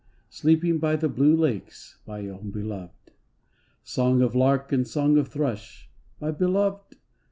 Sleeping by the blue lakes, My own Beloved! Song of lark and song of thrush, My Beloved